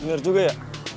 bener juga ya